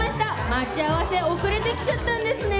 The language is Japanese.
待ち合わせ遅れてきちゃったんですね。